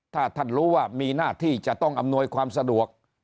ถ้าท่านรู้ว่ามีหน้าที่จะต้องอำนวยความสะดวก